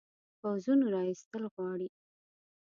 پوځونو را ایستل غواړي.